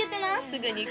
すぐに。